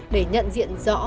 để nhận diện rõ